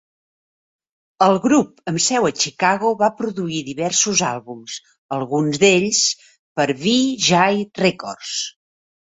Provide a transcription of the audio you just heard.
El grup amb seu a Chicago va produir diversos àlbums, alguns d"ells per Vee-Jay Records.